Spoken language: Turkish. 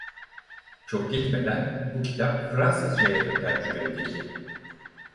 Çok geçmeden bu kitap Fransızca'ya da tercüme edildi.